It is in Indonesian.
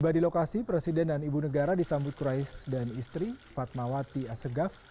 tiba di lokasi presiden dan ibu negara disambut kurais dan istri fatmawati asegaf